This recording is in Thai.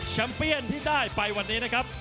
เปี้ยนที่ได้ไปวันนี้นะครับ